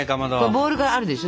ボウルがあるでしょ？